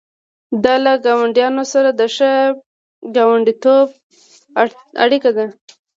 دا له ګاونډیانو سره د ښه ګاونډیتوب اړیکه ده.